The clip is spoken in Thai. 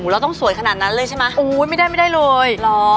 เราต้องสวยขนาดนั้นเลยใช่ไหมไม่ได้เลย